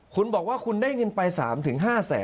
คุณบอกว่าคุณได้เงินไป๓๕แสน